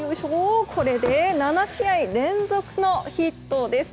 これで７試合連続のヒットです。